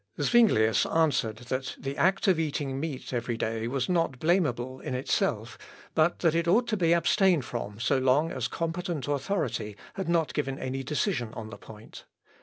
Zuinglius answered that the act of eating meat every day was not blameable in itself; but that it ought to be abstained from so long as competent authority had not given any decision on the point.